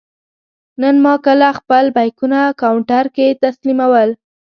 نن ما کله خپل بېکونه کاونټر کې تسلیمول.